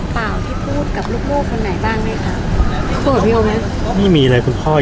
ภาษาสนิทยาลัยสุดท้าย